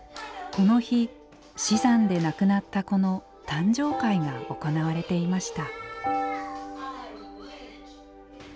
この日死産で亡くなった子の誕生会が行われていました。